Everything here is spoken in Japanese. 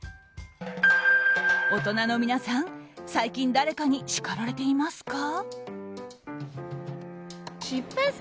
大人の皆さん、最近誰かに叱られていますか？